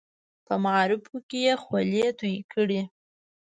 په معارفو کې یې خولې تویې کړې.